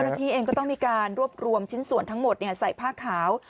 ที่เองก็ต้องมีการรวบรวมชิ้นส่วนทั้งหมดใส่ผ้าขาว